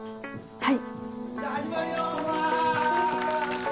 はい！